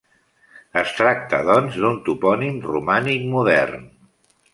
Es tracta, doncs, d'un topònim romànic modern.